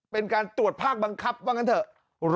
เป็นการตรวจภาคบังคับว่างั้นเถอะ